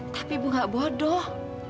tapi ibu gak bodoh